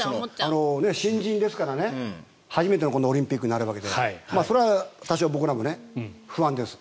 新人ですからね初めてのオリンピックになるわけでそれは多少僕らも不安です。